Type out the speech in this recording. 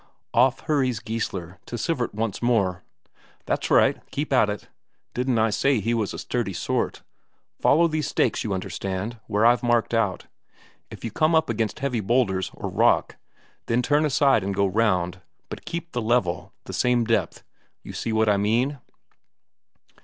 Off hurries Geissler to Sivert once more: "That's right keep at it didn't I say he was a sturdy sort? Follow these stakes, you understand, where I've marked out. If you come up against heavy boulders, or rock, then turn aside and go round, but keep the level the same depth; you see what I mean?"